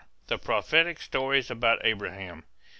THE PROPHETIC STORIES ABOUT ABRAHAM.